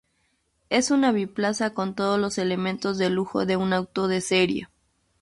Es un biplaza con todos los elementos de lujo de un auto de serie.